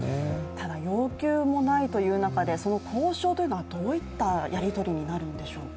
ただ、要求もないという中で交渉はどういったやりとりになるのでしょうか。